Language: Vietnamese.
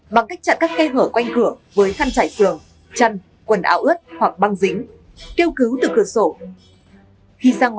bằng cách chặn các cây hở quanh cửa với khăn chải xường chăn quần áo ướt hoặc băng dính